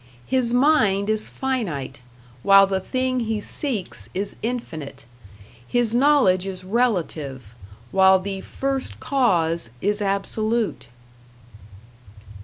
His mind is finite, while the thing he seeks is infinite; his knowledge is relative, while the First Cause is absolute.